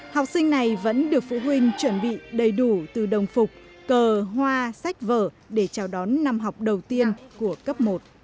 học sinh này vẫn được phụ huynh chuẩn bị đầy đủ từ đồng phục cờ hoa sách vở để chào đón năm học đầu tiên của cấp một